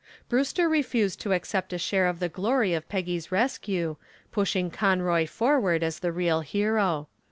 Brewster refused to accept a share of the glory of Peggy's rescue, pushing Conroy forward as the real hero.